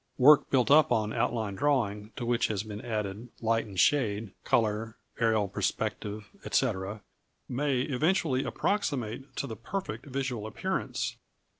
Work built up on outline drawing to which has been added light and shade, colour, aerial perspective, &c., may eventually approximate to the perfect visual appearance.